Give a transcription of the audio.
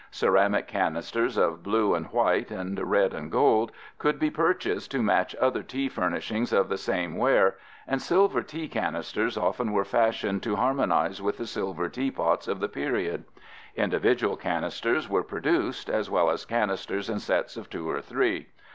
Ceramic canisters of blue and white, and red and gold, could be purchased to match other tea furnishings of the same ware, and silver tea canisters often were fashioned to harmonize with the silver teapots of the period. Individual canisters were produced, as well as canisters in sets of two or three.